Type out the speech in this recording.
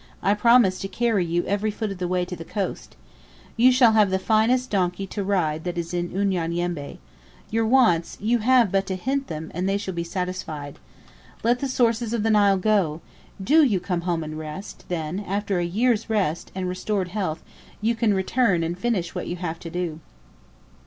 I promise to carry you every foot of the way to the coast. You shall have the finest donkey to ride that is in Unyanyembe. Your wants you have but to hint them, and they shall be satisfied. Let the sources of the Nile go do you come home and rest; then, after a year's rest, and restored health, you can return and finish what you have to do."